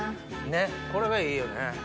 ねっこれがいいよね。